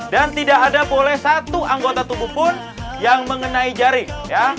dan tidak ada boleh satu anggota tubuh pun yang mengenai jaring